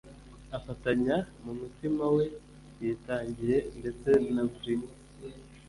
Afatanya mu mutima we yitangiye ndetse na brute